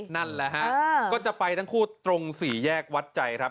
นั่นแหละฮะก็จะไปทั้งคู่ตรงสี่แยกวัดใจครับ